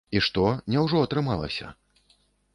І што, няўжо атрымалася?